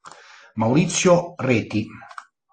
Maurizio Reti